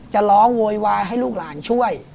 จะร้องโวยวายให้ลูกหลานช่วย